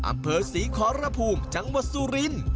อำเภอศรีขอรภูมิจังหวัดสุรินทร์